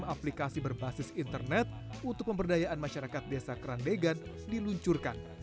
aplikasi berbasis internet untuk pemberdayaan masyarakat desa kerandegan diluncurkan